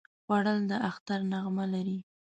خوړل د اختر نغمه لري